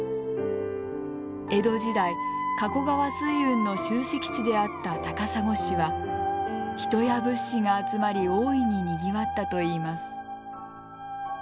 江戸時代加古川水運の集積地であった高砂市は人や物資が集まり大いににぎわったといいます。